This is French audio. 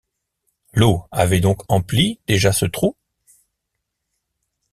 L’eau avait donc empli déjà ce trou?